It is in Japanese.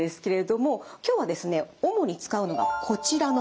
今日はですね主に使うのがこちらの値になります。